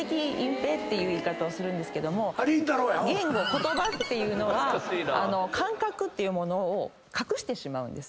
言葉っていうのは感覚っていうものを隠してしまうんです。